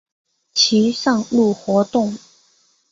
其上路活动。